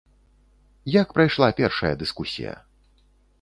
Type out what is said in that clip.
Як прайшла першая дыскусія?